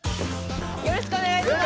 よろしくお願いします。